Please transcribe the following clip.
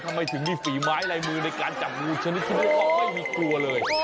ทำไมถึงมีฝีม้ายลายมือในการจับมูลฉะนั้นที่ดูเขาไม่มีตัวเลย